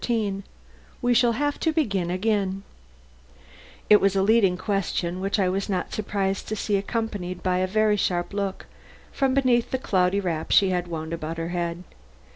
XIII "WE SHALL HAVE TO BEGIN AGAIN" It was a leading question which I was not surprised to see accompanied by a very sharp look from beneath the cloudy wrap she had wound about her head.